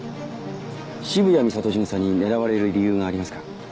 渋谷美里巡査に狙われる理由がありますか？